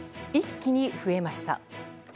一気に増えました。